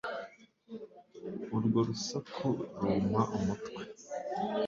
Urwo rusaku rumpa umutwe